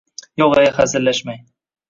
– Yo‘g‘-e, hazillashmang…